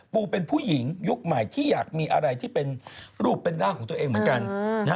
ปูเป็นผู้หญิงยุคใหม่ที่อยากมีอะไรที่เป็นรูปเป็นร่างของตัวเองเหมือนกัน